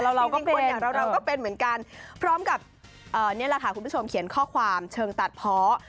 แต่เราก็เป็นเพราะเราก็เป็นเหมือนกันพร้อมกับเนี่ยรัฐฐานคุณผู้ชมเขียนข้อความเชิงตัดเพาะ